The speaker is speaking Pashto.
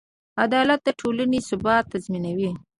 عدالت د ټولنې ثبات تضمینوي.